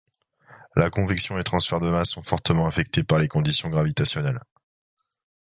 La convection et transfert de masse sont fortement affectés par les conditions gravitationnelles.